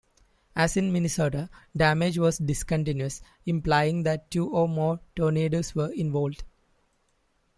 As in Minnesota, damage was discontinuous, implying that two or more tornadoes were involved.